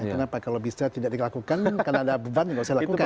kenapa kalau bisa tidak dilakukan karena ada beban juga saya lakukan